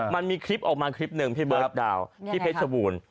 มันมีคลิปออกมาคลิปหนึ่งพี่เบิร์ตดาวที่เพชรบูรณ์